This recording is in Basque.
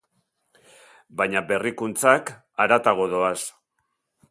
Baina berrikuntzak haratago doaz.